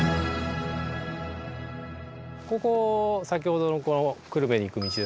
ここ先ほどの久留米に行く道ですね。